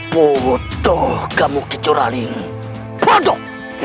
podoh kamu kicurraling podoh